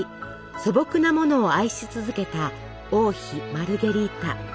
素朴なものを愛し続けた王妃マルゲリータ。